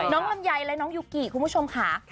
ลำไยและน้องยูกิคุณผู้ชมค่ะ